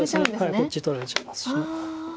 こっち取られてしまいますし。